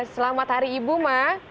selamat hari ibu ma